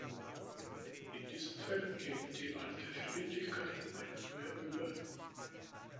In diesen Fällen geht „die alte Verbindlichkeit in eine neue über“.